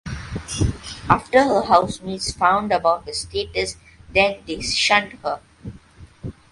After her housemates found out about her status then they shunned her.